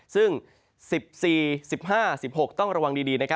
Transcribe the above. ซึ่ง๑๔๑๕๑๖ต้องระวังดี